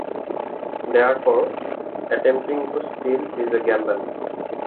Therefore, attempting to steal is a gamble.